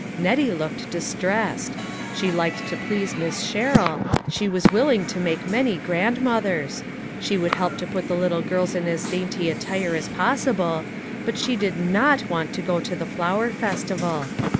Nettie looked dis tressed. She liked to please Miss Sherrill ; she was willing to make many grandmothers ; she AN ORDEAL. 291 would help to put the little girls in as dainty attire as possible, but she did not want to go to the flower festival.